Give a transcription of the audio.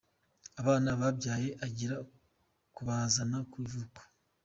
Abana yabyaye agiye kubazana ku ivuko.